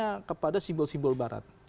hanya kepada simbol simbol barat